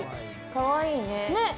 かわいいね。